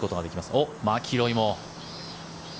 お、マキロイも。